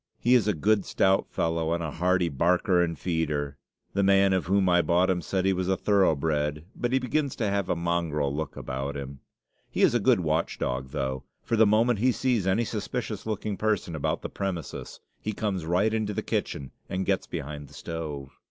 He is a good, stout fellow, and a hearty barker and feeder. The man of whom I bought him said he was thoroughbred, but he begins to have a mongrel look about him. He is a good watch dog, though; for the moment he sees any suspicious looking person about the premises he comes right into the kitchen and gets behind the stove.